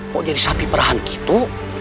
kok jadi sapi perahan gitu